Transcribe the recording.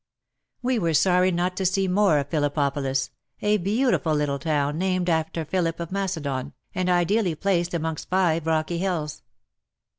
We were sorry not to see more of Phillip popolis, a beautiful little town named after Philip of Macedon, and ideally placed amongst five rocky hills.